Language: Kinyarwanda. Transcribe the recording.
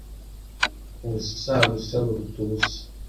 ubusabusa buruta ubusa